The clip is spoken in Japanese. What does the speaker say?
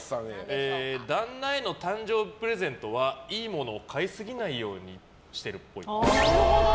旦那への誕生日プレゼントはいいものを買いすぎないようにしてるっぽい。